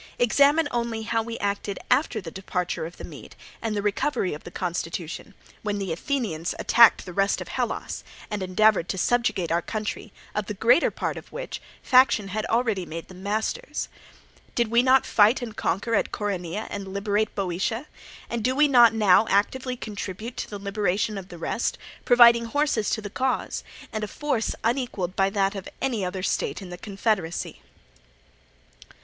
Examine only how we acted after the departure of the Mede and the recovery of the constitution; when the Athenians attacked the rest of Hellas and endeavoured to subjugate our country, of the greater part of which faction had already made them masters. Did not we fight and conquer at Coronea and liberate Boeotia, and do we not now actively contribute to the liberation of the rest, providing horses to the cause and a force unequalled by that of any other state in the confederacy?